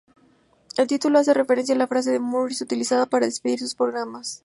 El título hace referencia a la frase que Murrow utilizaba para despedir sus programas.